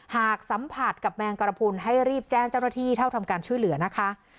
หากสัมผัสกับแมงกระพุนให้รีบแจ้งเจ้าหน้าที่เท่าทำการช่วยเหลือนะคะ